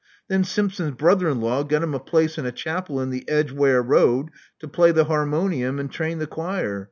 Then Simpson's brother in law got him a place in a chapel in the Edgeware Road to play the harmonium and train the choir.